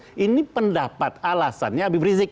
nah ini pendapat alasannya habib rizik